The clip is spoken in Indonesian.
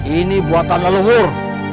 ini buatan leluhur